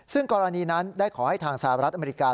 ซึ่งกรณีนั้นได้ขอให้ทางสหรัฐอเมริกา